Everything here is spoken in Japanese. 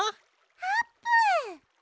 あーぷん！